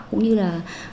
cũng như là